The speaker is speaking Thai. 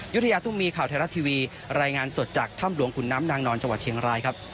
ยุธยาตุ้มีข่าวไทยรัฐทีวีรายงานสดจากถ้ำหลวงขุนน้ำนางนอนจังหวัดเชียงรายครับ